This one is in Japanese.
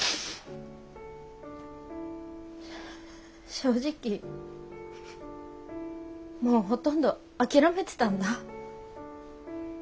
正直もうほとんど諦めてたんだ。